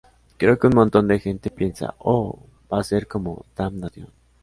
Creo que un montón de gente piensa, 'Oh, va a ser como "Damnation".